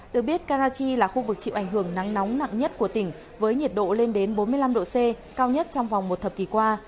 được biết carachi là khu vực chịu ảnh hưởng nắng nóng nặng nhất của tỉnh với nhiệt độ lên đến bốn mươi năm độ c cao nhất trong vòng một thập kỷ qua